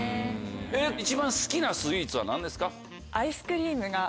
一番好きなスイーツは何ですか？